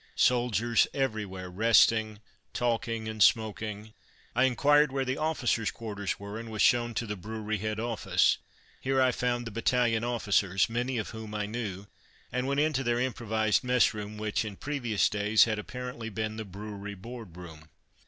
Soldiers everywhere, resting, talking and smoking. I inquired where the officers' quarters were, and was shown to the brewery head office. Here I found the battalion officers, many of whom I knew, and went into their improvised messroom, which, in previous days, had apparently been the Brewery Board room.